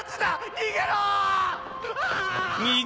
逃げろ！